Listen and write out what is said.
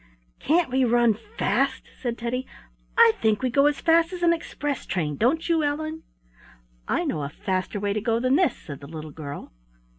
"Can't we run fast?" said Teddy. "I think we go as fast as an express train; don't you, Ellen?" "I know a faster way to go than this," said the little girl.